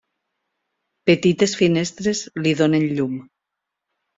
Petites finestres li donen llum.